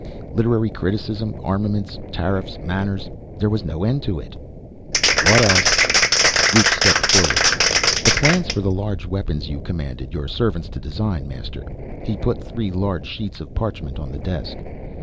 Literary criticism, armaments, tariffs, manners there was no end to it. "What else?" Luke stepped forward. "The plans for the large weapons You commanded Your servants to design, Master." He put three large sheets of parchment on the desk.